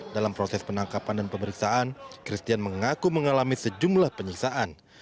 dalam proses penangkapan dan pemeriksaan christian mengaku mengalami sejumlah penyiksaan